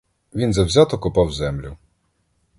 Він завзято копав землю.